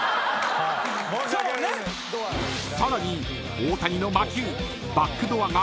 ［さらに］